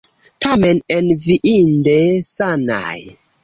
Tamen enviinde sanaj.